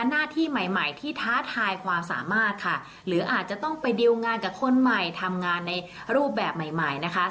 หน้าที่ใหม่ใหม่ที่ท้าทายความสามารถค่ะหรืออาจจะต้องไปดิวงานกับคนใหม่ทำงานในรูปแบบใหม่ใหม่นะคะ